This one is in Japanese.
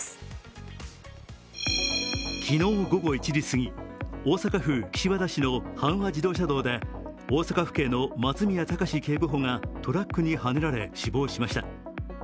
昨日午後１時すぎ大阪府岸和田市の阪和自動車道で大阪府警の松宮崇警部補がトラックにはねられ死亡しました。